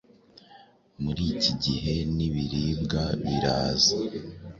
Muri iki gihe n’ibiribwa biraza.